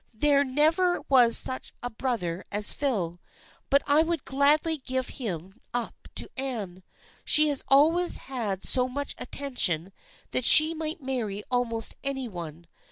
There never was such a brother as Phil, but I would gladly give him up to Anne. She has always had so much attention that she might marry almost any one.